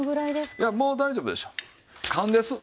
いやもう大丈夫でしょう。